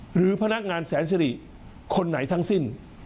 หรือพนักงานแสนสิริคนไหนทั้งสิ้น